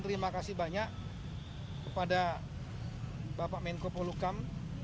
terima kasih banyak kepada bapak menko polukam